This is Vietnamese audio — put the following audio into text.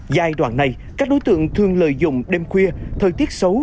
giai đoạn này các đối tượng thường lợi dụng đêm khuya thời tiết xấu